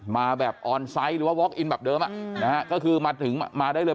มาแบบออนไซค์หรือว่าแบบเดิมนะฮะก็คือมาถึงมาได้เลย